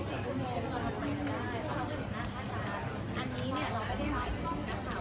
จริงไม่ได้ขอที่เราเล็กกับเราแต่คราวเร็ว